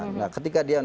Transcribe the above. nah ketika diberikan